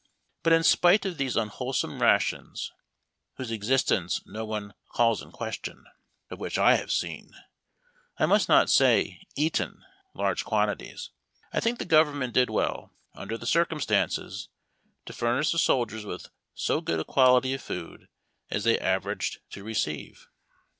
But in spite of these unwholesome rations, whose existence no one calls in question, of which I have seen — I must not say eaten — large quantities, I think the government did well, under the circumstances, to furnish the soldiers with so good a quality of food as they averaged to receive.